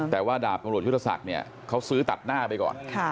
แต่ว่าดาบตำรวจยุทธศักดิ์เนี่ยเขาซื้อตัดหน้าไปก่อน